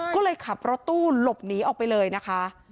ก็เลยขับรถตู้หลบหนีออกไปเลยนะคะ